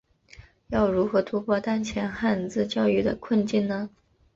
要如何突破当前汉字教育的困境呢？